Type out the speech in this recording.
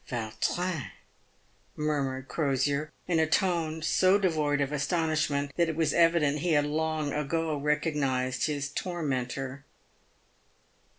" Vautrin," murmured Crosier, in a tone so devoid of astonishment that it was evident he had long ago recognised his tormentor.